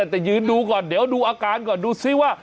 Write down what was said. แต่ยืนดูก่อนเดี๋ยวดูอาการก่อนดูซิว่า